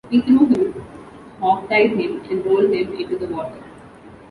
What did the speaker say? We threw him, hogtied him and rolled him into the water.